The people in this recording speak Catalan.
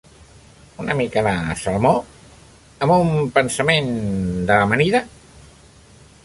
Una mica de salmó? Amb un pensament de d'amanida?